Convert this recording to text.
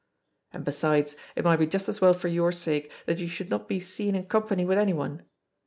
And, besides, it might be just as well for your sake that you should not be seen in company with any one.